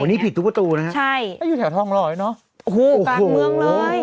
โอ้โฮนี่ผิดทุกประตูนะครับถ้าอยู่แถวทองรอยเนอะโอ้โฮโอ้โฮโอ้โฮ